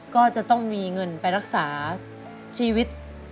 ก็จะต้องมีเงินไปรักษาชีวิต